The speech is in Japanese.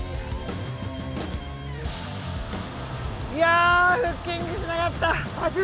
いやフッキングしなかった！